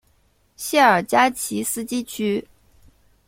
谢尔加奇斯基区。